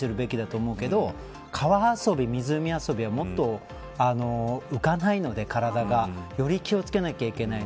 いても注意するべきだと思うけど川遊び、湖遊びはもっと浮かないので、体がより気を付けなきゃいけない。